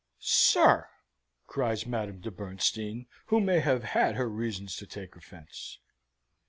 "Sir!" cries Madame de Bernstein, who may have had her reasons to take offence.